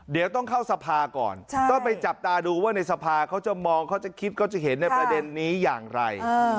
เดี๋ยวต้องเข้าสภาก่อนต้องไปจับตาดูว่าในสภาเขาจะมองเขาจะคิดเขาจะเห็นในประเด็นนี้อย่างไร